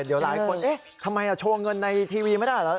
เดี๋ยวหลายคนเอ๊ะทำไมโชว์เงินในทีวีไม่ได้เหรอ